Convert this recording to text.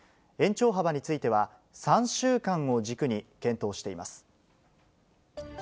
延長幅については、３週間を軸に検討しています。